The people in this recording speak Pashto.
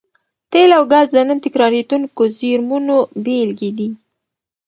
تېل او ګاز د نه تکرارېدونکو زېرمونو بېلګې دي.